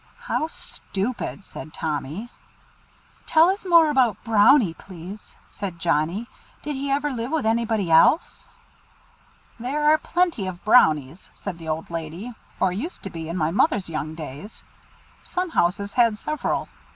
"How stupid!" said Tommy. "Tell us more about Brownie, please," said Johnnie, "Did he ever live with anybody else?" "There are plenty of Brownies," said the old lady, "or used to be in my mother's young days. Some houses had several."